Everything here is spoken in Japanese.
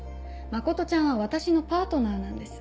真ちゃんは私のパートナーなんです。